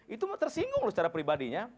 itu tersinggung secara pribadinya